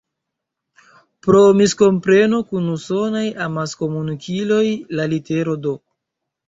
Pro miskompreno kun usonaj amaskomunikiloj, la literoj "D.